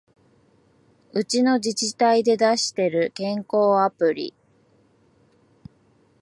うちの自治体で出してる健康アプリ